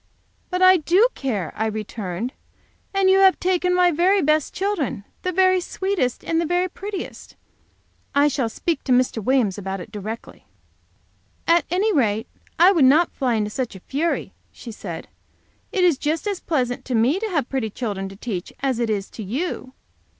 "But I do care," I returned; "and you have taken my very best children the very sweetest and the very prettiest. I shall speak to Mr. Williams about it directly." "At any rate, I would not fly into such a fury," she said. "It is just as pleasant to me to have pretty children to teach as it is to you.